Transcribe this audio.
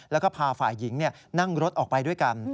แล้วก็พาฝ่ายหญิงนั่งรถออกไปด้วยกัน